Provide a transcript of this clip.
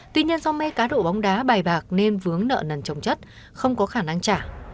tuy nhiên do mê cá độ bóng đá bài bạc nên vướng nợ nần trồng chất không có khả năng trả